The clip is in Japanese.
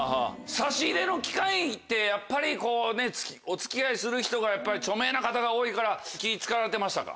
差し入れの機会ってやっぱりこうねお付き合いする人が著名な方が多いから気ぃ使われてましたか？